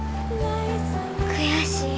悔しい。